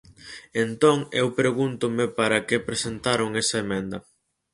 Entón, eu pregúntome para que presentaron esa emenda.